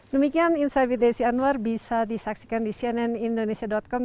demikian insight with desi anwar bisa disaksikan di cnnindonesia com